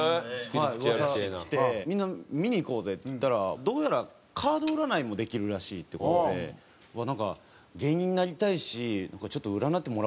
みんな見に行こうぜっていったらどうやらカード占いもできるらしいって事で芸人になりたいしちょっと占ってもらおうかなと思って。